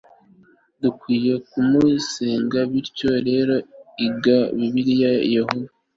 dukwiriye kumusenga bityo rero iga bibiliya yehova